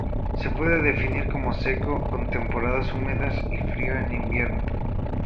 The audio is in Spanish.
Se puede definir como seco con temporadas húmedas y frío en invierno.